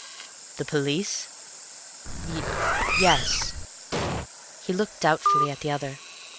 "The police? Y yes." He looked doubtfully at the other.